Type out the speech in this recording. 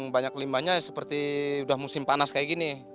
banyak limbahnya seperti udah musim panas kayak gini